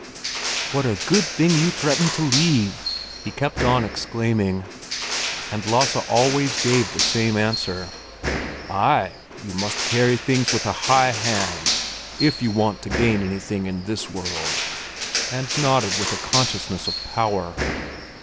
"What a good thing you threatened to leave!" he kept on exclaiming. And Lasse always gave the same answer: "Ay, you must carry things with a high hand if you want to gain anything in this world!"—and nodded with a consciousness of power.